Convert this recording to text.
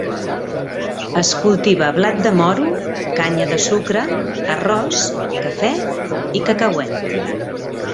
Es cultiva blat de moro, canya de sucre, arròs, cafè i cacauet.